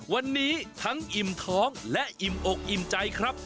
วันนี้ทั้งอิ่มท้องและอิ่มอกอิ่มใจครับ